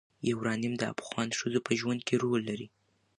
یورانیم د افغان ښځو په ژوند کې رول لري.